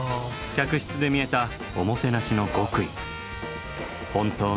客室で見えたおもてなしの極意。